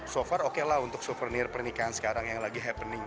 so far oke lah untuk souvenir pernikahan sekarang yang lagi happening